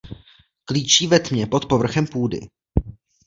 Klíčí ve tmě pod povrchem půdy.